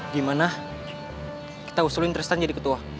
dimana kita usulin tristan jadi ketua